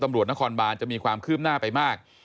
ตำรวจนครบานจะมีความคืบหน้าไปมาก